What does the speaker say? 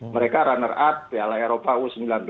mereka runner up piala eropa u sembilan belas